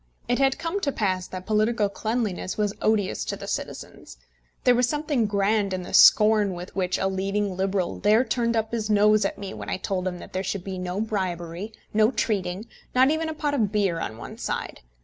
It had come to pass that political cleanliness was odious to the citizens. There was something grand in the scorn with which a leading Liberal there turned up his nose at me when I told him that there should be no bribery, no treating, not even a pot of beer on one side.